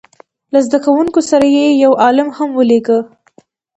له زده کوونکو سره یې یو عالم هم ولېږه.